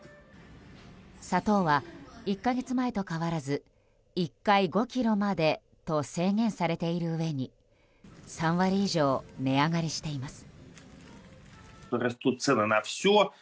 砂糖は１か月前と変わらず１回５ｋｇまでと制限されているうえに３割以上値上がりしています。